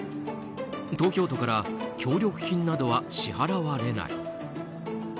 東京都から協力金などは支払われない。